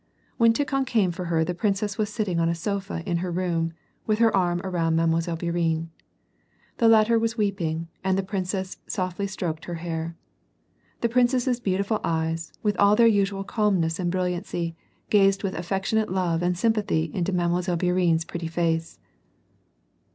When Tikhon came for her the princess was sitting on a sofa in her room, with her arm around Mile. Bourienne. The latter was weeping, and the princess softly stroked her hair. The princess's l)eaiitiful eyes, with all their usual calmness and brilliancy, giized with affectionate love and sympathy into Mile. Bourienne's pretty face.